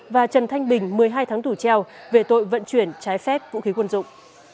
và trần thanh bình một mươi hai tháng tù treo về tội vận chuyển trái phép vũ khí quân dụng